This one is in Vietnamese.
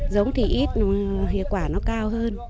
giống thì ít hiệu quả nó cao hơn